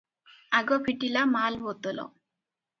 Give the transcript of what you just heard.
ଆଗ ଫିଟିଲା ମାଲ ବୋତଲ।